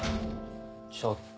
ちょっと。